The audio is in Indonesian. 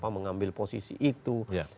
mengambil posisi itu